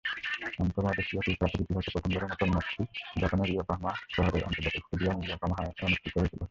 আন্তর্মহাদেশীয় কাপের ইতিহাসে প্রথমবারের মতো ম্যাচটি জাপানের ইয়োকোহামা শহরের আন্তর্জাতিক স্টেডিয়াম ইয়োকোহামায় আয়োজিত হয়েছিল।